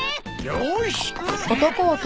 よし。